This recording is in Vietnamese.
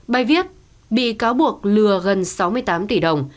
bài viết bị cáo buộc lừa gần sáu mươi tám tỷ đồng